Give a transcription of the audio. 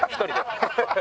ハハハハ。